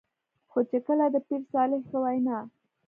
خو چې کله د پير صالح په وېنا